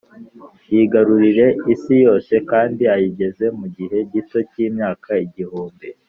yigarurire isi yose kandi ayigeze mu gihe gito cy’imyaka igihumbi